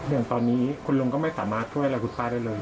อย่างตอนนี้คุณลุงก็ไม่สามารถช่วยอะไรคุณป้าได้เลย